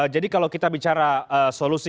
jadi kalau kita bicara solusi